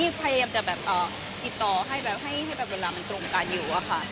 ใครจะติดต่อให้เวลามันตรงกันอยู่